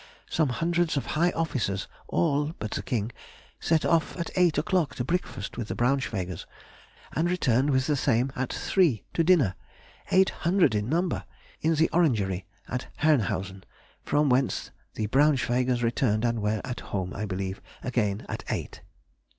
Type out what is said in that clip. Some hundreds of high officers all (but the King) set off at eight o'clock to breakfast with the Braunschweigers, and returned with the same at three to dinner (eight hundred in number) in the orangery at Herrnhausen, from whence the Braunschweigers returned and were at home, I believe, again at eight.